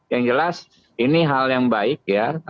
yang jelas ini hal yang baik ya